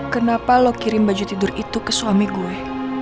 kenapa lo kirim baju tidur itu ke suami gue